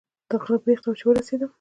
د غره بیخ ته چې ورسېدم.